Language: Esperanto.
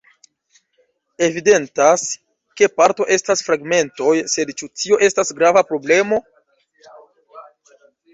Evidentas, ke parto estas fragmentoj, sed ĉu tio estas grava problemo?